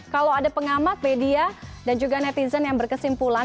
kalau ada pengamat media dan juga netizen yang berkesimpulan